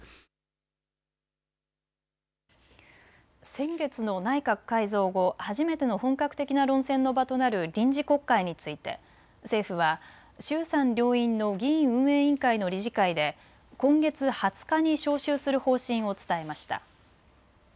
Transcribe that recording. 先月の内閣改造後、初めての本格的な論戦の場となる臨時国会について政府は衆参両院の議院運営委員会の理事会で今月２０日に召集する方針を伝えました。